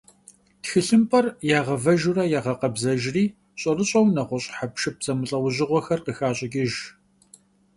Тхылъымпӏэр ягъэвэжурэ ягъэкъэбзэжри, щӏэрыщӏэу нэгъуэщӏ хьэпшып зэмылӏэужьыгъуэхэр къыхащӏыкӏыж.